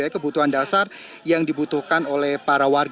kebutuhan dasar yang dibutuhkan oleh para warga